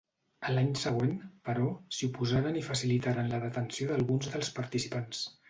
A l'any següent, però, s'hi oposaren i facilitaren la detenció d'alguns dels participants.